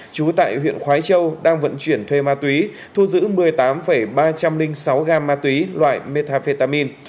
trú tại huyện khói châu đang vận chuyển thuê ma túy thu giữ một mươi tám ba trăm linh sáu gam ma túy loại metafetamin